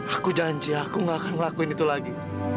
aku janji aku gak akan ngelakuin itu lagi